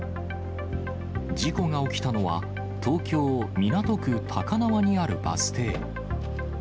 事故が起きたのは、東京・港区高輪にあるバス停。